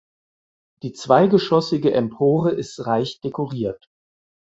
Die zweigeschossige Empore ist reich dekoriert.